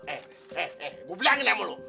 eh eh eh gua bilangin sama lo